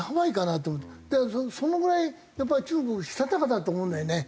そのぐらいやっぱり中国したたかだと思うんだよね。